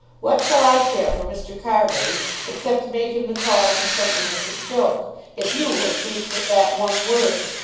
What shall I care for Mr. Carbury, except to make him the cause of some innocent joke, if you will speak but that one word?